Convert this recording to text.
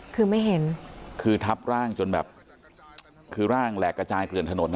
คือไม่เห็นคือทับร่างจนแบบคือร่างแหลกกระจายเกลื่อนถนน